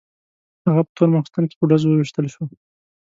هغه په تور ماخستن کې په ډزو وویشتل شو.